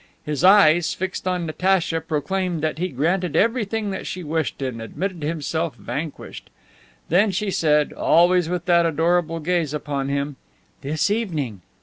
His eyes, fixed on Natacha, proclaimed that he granted everything that she wished and admitted himself vanquished. Then she said, always with that adorable gaze upon him, "This evening!"